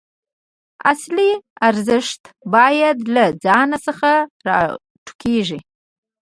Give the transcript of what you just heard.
اصلي ارزښت باید له ځان څخه راټوکېږي.